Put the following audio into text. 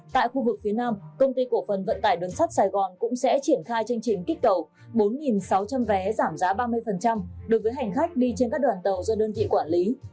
tại khu vực phía nam công ty cổ phần vận tải đường sắt sài gòn cũng sẽ triển khai chương trình kích cầu bốn sáu trăm linh vé giảm giá ba mươi đối với hành khách đi trên các đoàn tàu do đơn vị quản lý